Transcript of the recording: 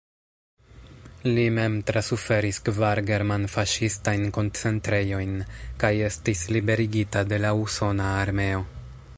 Li mem trasuferis kvar german-faŝistajn koncentrejojn kaj estis liberigita de la usona armeo.